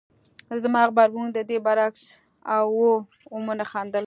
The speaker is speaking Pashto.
زما غبرګون د دې برعکس و او ومې خندل